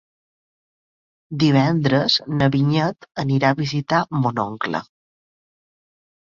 Divendres na Vinyet anirà a visitar mon oncle.